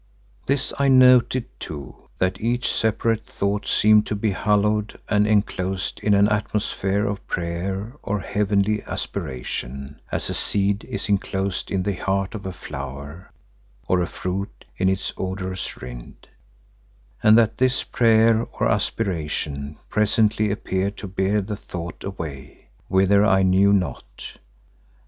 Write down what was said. This I noted too, that each separate thought seemed to be hallowed and enclosed in an atmosphere of prayer or heavenly aspiration, as a seed is enclosed in the heart of a flower, or a fruit in its odorous rind, and that this prayer or aspiration presently appeared to bear the thought away, whither I knew not.